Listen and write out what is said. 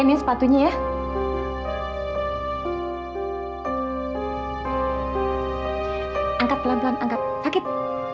ya kan siapa environment time begin